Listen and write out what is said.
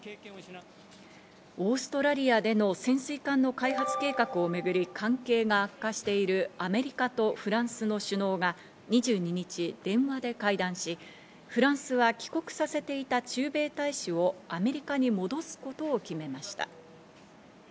オーストラリアでの潜水艦の開発計画をめぐり、関係が悪化しているアメリカとフランスの首脳が２２日、電話で会談し、フランスは帰国させていた駐米大使をアメリカに戻すことを決めました。